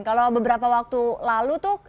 kalau beberapa waktu lalu tuh